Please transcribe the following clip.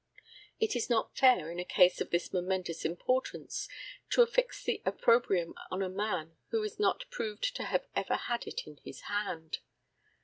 It is not fair in a case of this momentous importance to affix the opprobrium on a man who is not proved to have ever had it in his hand.